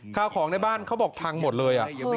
ข้าวของในบ้านเขาบอกพังหมดเลย